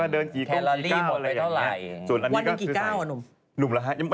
วันเกี่ยวกี่ก้าวอะหนุ่ม